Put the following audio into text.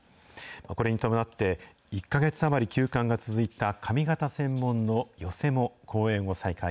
これに伴って、１か月余り休館が続いた上方専門の寄席も公演を再開。